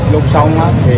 nếu không còn ph